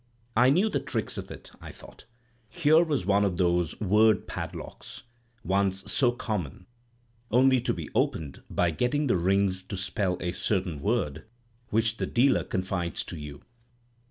I knew the trick of it, I thought. Here was one of those word padlocks, once so common; only to be opened by getting the rings to spell a certain word, which the dealer confides to you.